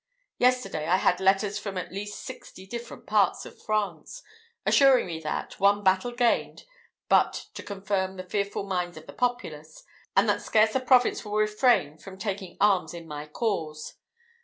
Yesterday, I had letters from at least sixty different parts of France, assuring me that, one battle gained, but to confirm the fearful minds of the populace, and that scarce a province will refrain from taking arms in my cause.